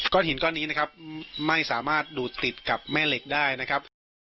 หินก้อนนี้นะครับไม่สามารถดูดติดกับแม่เหล็กได้นะครับ